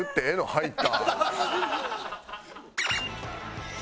入った？